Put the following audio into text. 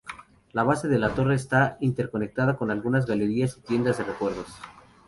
La base de la torre está interconectada con algunas galerías y tiendas de recuerdos.